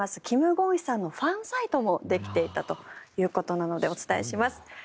キム・ゴンヒさんのファンサイトもできていたということなのでお伝えします。